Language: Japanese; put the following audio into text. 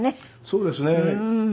そうですね。